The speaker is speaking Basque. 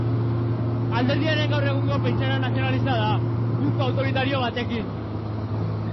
Alderdiaren gaur egungo pentsaera nazionalista da, puntu autoritario batekin.